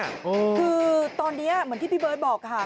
คือตอนนี้เหมือนที่พี่เบิร์ตบอกค่ะ